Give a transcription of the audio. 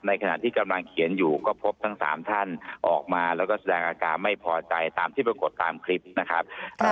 ขณะที่กำลังเขียนอยู่ก็พบทั้ง๓ท่านออกมาแล้วก็แสดงอาการไม่พอใจตามที่ปรากฏตามคลิปนะครับ